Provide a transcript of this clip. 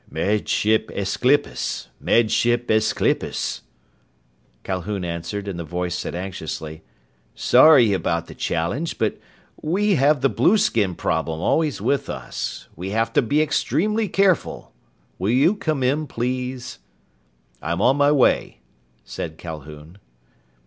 "Med Ship Aesclipus! Med Ship Aesclipus!" Calhoun answered and the voice said anxiously: "Sorry about the challenge, but we have the blueskin problem always with us. We have to be extremely careful! Will you come in, please?" "I'm on my way," said Calhoun.